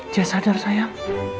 jess sadar sayang